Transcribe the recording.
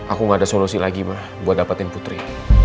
aku gak ada solusi lagi mah buat dapetin putri